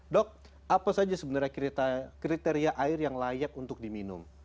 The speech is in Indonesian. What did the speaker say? dok apa saja sebenarnya kriteria air yang layak untuk diminum